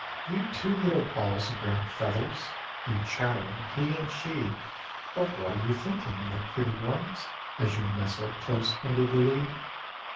"You two little balls of brown feathers! You chattering he and she! Of what are you thinking, my pretty ones, As you nestle close under the lea?"